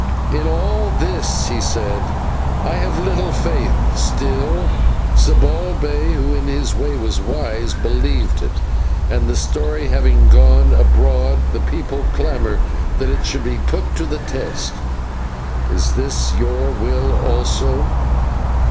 "In all this," he said, "I have little faith; still, Zibalbay, who in his way was wise, believed it, and, the story having gone abroad, the people clamour that it should be put to the test. Is this your will also?"